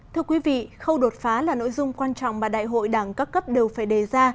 thưa quý vị khâu đột phá là nội dung quan trọng mà đại hội đảng các cấp đều phải đề ra